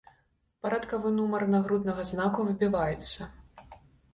Парадкавы нумар нагруднага знаку выбіваецца.